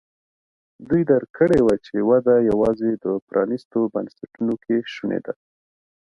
دوی درک کړې وه چې وده یوازې د پرانیستو بنسټونو کې شونې ده.